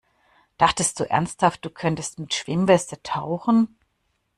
Dachtest du ernsthaft, du könntest mit Schwimmweste tauchen?